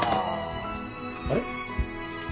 あれ？